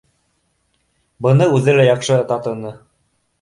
Быны үҙе лә яҡшы татыны